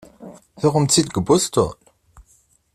Tuɣemt-tt-id deg Boston?